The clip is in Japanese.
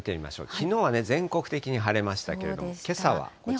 きのうは全国的に晴れましたけれども、けさはこちら。